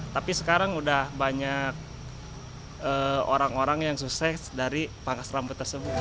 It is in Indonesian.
tapi sekarang udah banyak orang orang yang sukses dari pangkas rambut tersebut